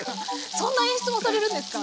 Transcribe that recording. そんな演出もされるんですか？